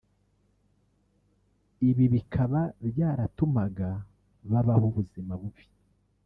Ibi bikaba byaratumaga babaho ubuzima bubi